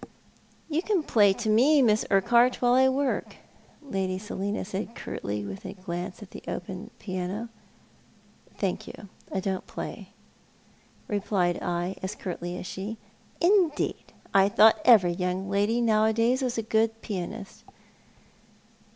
" You can play to me, Miss Urquhart, while I work," Lady Selina said curtly, with a glance at the open piano. " Thank you, I don't play," replied I, as curtly as she. " Indeed ! I thought every young lady nowadays was a good pianist."